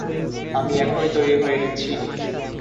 আমি এখনই তৈরি হয়ে নিচ্ছি।